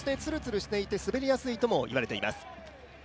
そしてつるつるしていて、滑りやすいともいわれています。